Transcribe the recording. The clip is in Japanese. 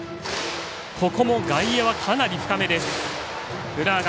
ここも外野はかなり深めです。